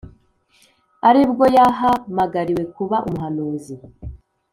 ari bwo yahamagariwe kuba umuhanuzi.